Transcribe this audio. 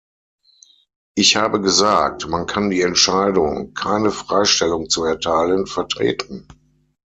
Ich habe gesagt, man kann die Entscheidung, keine Freistellung zu erteilen, vertreten.